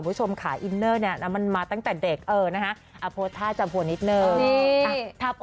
สไปชมขาอินเนอร์มาตั้งแต่เด็กโพสต์ต้าจำหัวนิดนึง